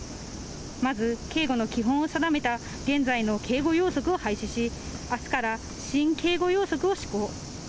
まず、警護の基本を定めた現在の警護要則を廃止し、あすから新警護要則を施行。